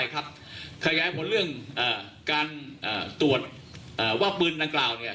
ขยายผลเรื่องการตรวจว่าปืนดังกล่าว